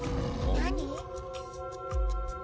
・何？